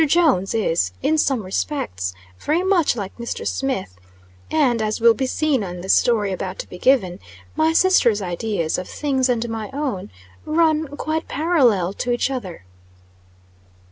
Jones is, in some respects, very much like Mr. Smith, and, as will be seen in the story about to be given, my sister's ideas of things and my own, run quite parallel to each other.